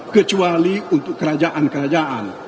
kecuali untuk kerajaan kerajaan